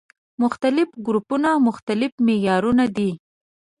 مختلفو ګروپونو مختلف معيارونه دي.